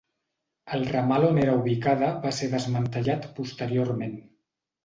El ramal on era ubicada va ser desmantellat posteriorment.